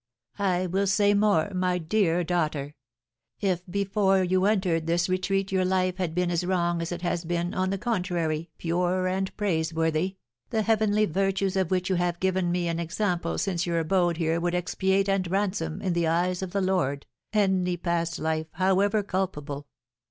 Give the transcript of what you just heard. I will say more, my dear daughter; if before you entered this retreat your life had been as wrong as it has been, on the contrary, pure and praiseworthy, the heavenly virtues of which you have given me an example since your abode here would expiate and ransom, in the eyes of the Lord, any past life, however culpable.